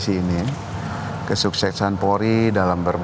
siswa dan rakyat bisa menguasai di tonan kekuasaan luargréis